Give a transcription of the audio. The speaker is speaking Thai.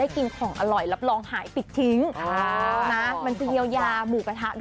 ครับผม